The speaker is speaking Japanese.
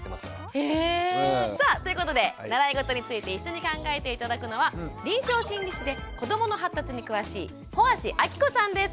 ええ！さあということで習いごとについて一緒に考えて頂くのは臨床心理士で子どもの発達に詳しい帆足暁子さんです。